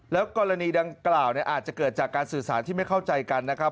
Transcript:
กรณีดังกล่าวอาจจะเกิดจากการสื่อสารที่ไม่เข้าใจกันนะครับ